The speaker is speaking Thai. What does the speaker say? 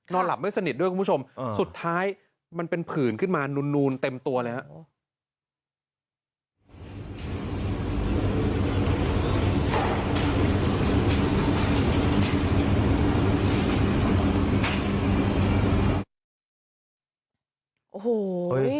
หลับไม่สนิทด้วยคุณผู้ชมสุดท้ายมันเป็นผื่นขึ้นมานูนเต็มตัวเลยครับ